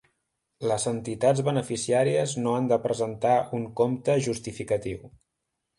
Les entitats beneficiàries no han de presentar un compte justificatiu.